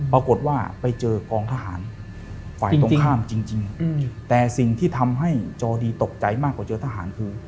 ปรากฏว่าไปเจอกองทหารฝ่ายตรงข้ามจริงแต่สิ่งที่ทำให้จอดีตกใจมากกว่าเจอทหารคือ